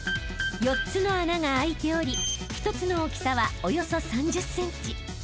［４つの穴が開いており１つの大きさはおよそ３０ｃｍ］